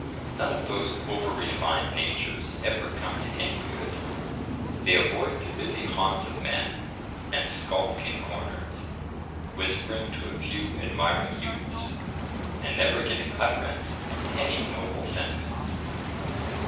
None of those over refined natures ever come to any good; they avoid the busy haunts of men, and skulk in corners, whispering to a few admiring youths, and never giving utterance to any noble sentiments.